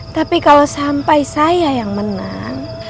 tapi kalau sampai saya yang menang